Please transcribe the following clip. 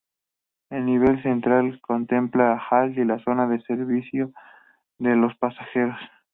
El nivel central contempla el hall y la zona de servicio de los pasajeros.